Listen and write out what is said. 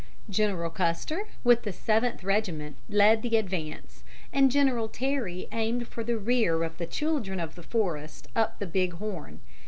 General Custer, with the 7th Regiment, led the advance, and General Terry aimed for the rear of the children of the forest up the Big Horn.